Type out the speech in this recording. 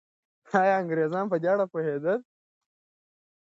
آیا انګریزان په دې اړه پوهېدل؟